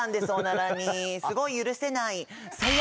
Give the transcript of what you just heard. すごい許せない。